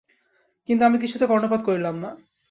কিন্তু আমি কিছুতে কর্ণপাত করিলাম না।